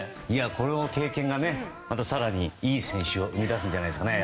この経験がまた更にいい選手を生み出すんじゃないですかね。